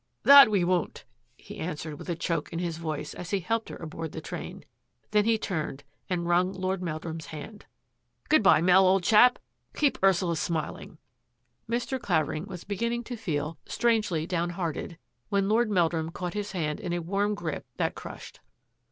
" That we won't," he answered with a choke in his voice as he helped her aboard the train. Then he turned and wrung Lord Meldrum's hand. " Good bye, Mel, old chap ! Keep Ursula smil ing." Mr. Clavering was beginning to feel strangely 266 THAT AFFAIR AT THE MANOR downhearted, when Lord Meldrum caught his hand in a warm grip that crushed.